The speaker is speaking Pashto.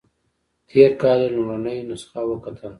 تېر کال یې لومړنۍ نسخه وکتله.